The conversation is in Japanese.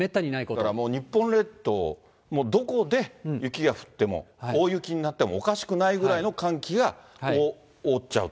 だからもう、日本列島、もうどこで雪が降っても、大雪になってもおかしくないぐらいの寒気が覆っちゃうと。